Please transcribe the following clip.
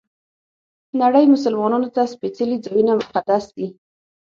نړۍ مسلمانانو ته سپېڅلي ځایونه مقدس دي.